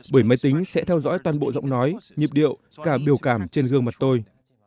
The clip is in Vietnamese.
bởi máy tính sẽ theo dõi toàn bộ giọng nói nhịp điệu cả biểu cảm trên gương mặt tôi